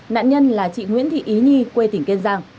nạn nhân là chị nguyễn thị ý nhi quê tỉnh kiên giang